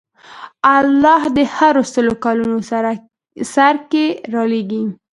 الله د هرو سلو کلونو سر کې رالېږي.